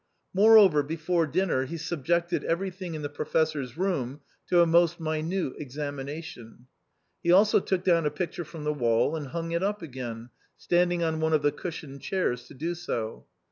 Moreover, before dinner he subjected everything in the Professor's room to a most minute examination ; he also took down a pic ture from the wall and hung it up again, standing on one of the cushioned chairs to do so.